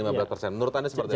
menurut anda seperti apa